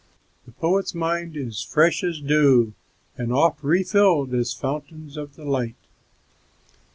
The poet's mind is fresh as dew, And oft refilled as fountains of the light.